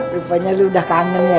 rupanya lu udah kangen ya